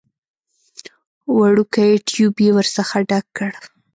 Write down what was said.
وړوکی ټيوب يې ورڅخه ډک کړ.